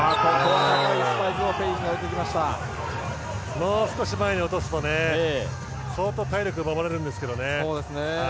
もう少し前に落とすと相当、体力奪われるんですけどね。